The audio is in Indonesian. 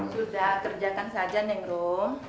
sudah kerjakan saja neng rom